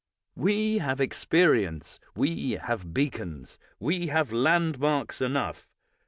We have experience, we have beacons, we have landmarks enough.